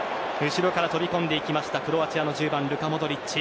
後ろから飛び込んでいきましたクロアチアの１０番ルカ・モドリッチ。